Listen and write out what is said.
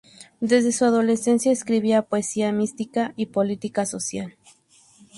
Desde su adolescencia, escribía poesía mística, política y social.